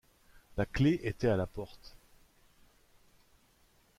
La clef était à la porte.